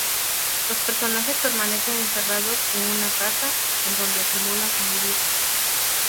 Los personajes permanecen encerrados en una "casa" en donde simulan convivir.